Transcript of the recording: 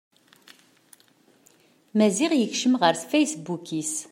Maziɣ yekcem ɣer fasebbuk-is.